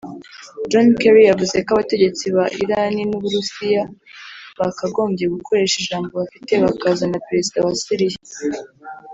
John Kerry yavuze ko abategetsi ba Irani n’Uburusiya bakagombye gukoresha ijambo bafite bakazana perezida wa Siriya